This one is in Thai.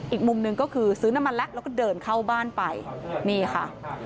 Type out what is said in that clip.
อีกมุมหนึ่งก็คือซื้อน้ำมันแล้วแล้วก็เดินเข้าบ้านไปนี่ค่ะ